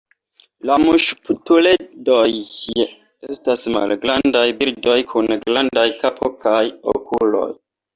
La muŝkaptuledoj estas malgrandaj birdoj kun grandaj kapo kaj okuloj.